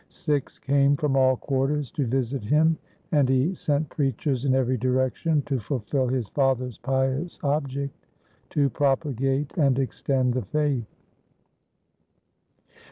Sikhs came from all quarters to visit him, and he sent preachers in every direction to fulfil his father's pious object to propagate and extend the faith.